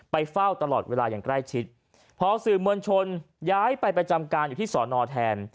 เฝ้าตลอดเวลาอย่างใกล้ชิดพอสื่อมวลชนย้ายไปประจำการอยู่ที่สอนอแทน